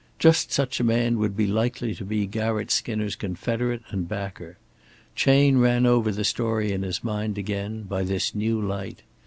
Just such a man would be likely to be Garratt Skinner's confederate and backer. Chayne ran over the story in his mind again, by this new light.